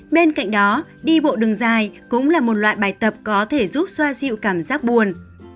bên cạnh đó đi bộ đường dài cũng là một loại bài tập có thể giúp xoa dịu cảm giác buồn